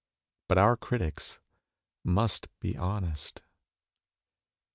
But our critics must be honest.